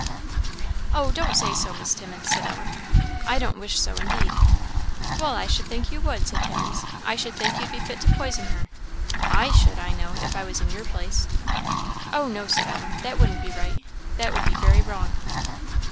"Oh, don't say so, Miss Timmins," said Ellen, "I don't wish so, indeed." "Well, I should think you would," said Timmins; "I should think you'd be fit to poison her; I should, I know, if I was in your place." "Oh, no," said Ellen, "that wouldn't be right that would be very wrong."